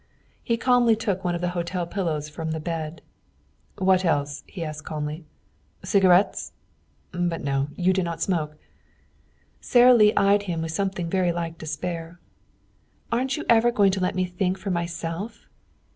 He calmly took one of the hotel pillows from the bed. "What else?" he asked calmly. "Cigarettes? But no, you do not smoke." Sara Lee eyed him with something very like despair. "Aren't you ever going to let me think for myself?"